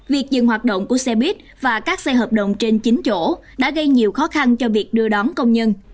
việc dừng hoạt động của xe buýt và các xe hợp đồng trên chín chỗ đã gây nhiều khó khăn cho việc đưa đón công nhân